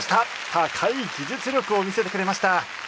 高い技術力を見せてくれました。